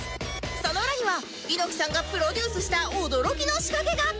その裏には猪木さんがプロデュースした驚きの仕掛けが